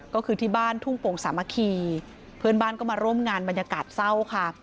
ก็คือที่บ้านทุ่งโป่งสามัคคีเพื่อนบ้านก็มาร่วมงานบรรยากาศเศร้าค่ะ